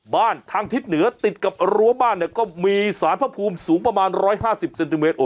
ทางทิศเหนือติดกับรั้วบ้านเนี่ยก็มีสารพระภูมิสูงประมาณ๑๕๐เซนติเมตร